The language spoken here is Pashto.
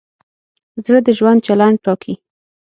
زړه د ژوند چلند ټاکي.